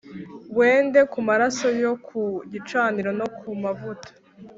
Wende Ku Maraso Yo Ku Gicaniro No Ku Mavuta